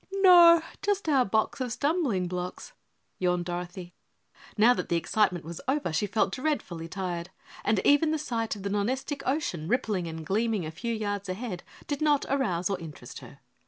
"No, just our box of stumbling blocks," yawned Dorothy. Now that the excitement was over she felt dreadfully tired and even the sight of the Nonestic Ocean rippling and gleaming a few yards ahead did not arouse or interest her.